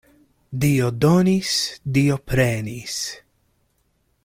Dio donis, Dio prenis.